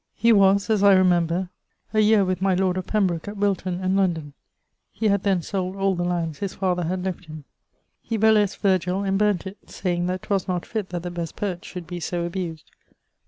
He was, as I remember, a yeare with my lord of Pembroke at Wilton and London; he had then sold all the lands his father had left him. [LXIV.] He burlesqued Virgil, and burnt it, sayeing that 'twas not fitt that the best poet should be so abused.